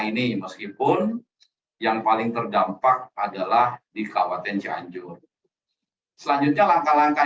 ini meskipun yang paling terdampak adalah di kabupaten cianjur selanjutnya langkah langkah